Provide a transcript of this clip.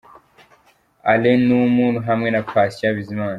Alain Numa hamwe na Patient Bizimana.